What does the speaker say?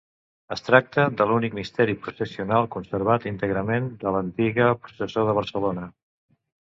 Es tracta de l'únic misteri processional conservat íntegrament de l'antiga processó de Barcelona.